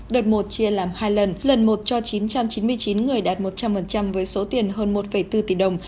đợt một chia làm hai lần lần một cho chín trăm chín mươi chín người đạt một trăm linh với số tiền hơn một bốn tỷ đồng